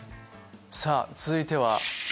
さぁ続いては。